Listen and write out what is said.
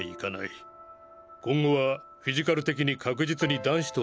今後はフィジカル的に確実に男子とは離されていく。